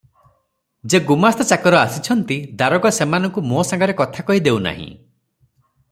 ଯେ ଗୁମାସ୍ତା ଚାକର ଆସିଛନ୍ତି, ଦାରୋଗା ସେମାନଙ୍କୁ ମୋ ସାଙ୍ଗରେ କଥା କହି ଦେଉନାହିଁ ।